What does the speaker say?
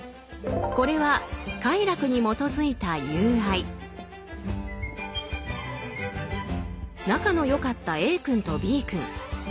これは仲の良かったＡ君とＢ君。